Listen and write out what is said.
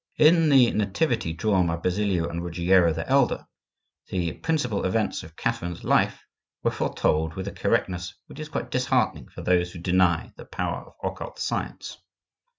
In the nativity drawn by Basilio and Ruggiero the elder, the principal events of Catherine's life were foretold with a correctness which is quite disheartening for those who deny the power of occult science.